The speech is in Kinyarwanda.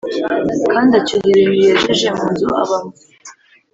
Kandi acyura ibintu yejeje munzu abamo